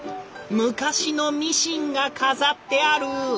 昔のミシンが飾ってある！